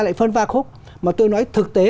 lại phân pha khúc mà tôi nói thực tế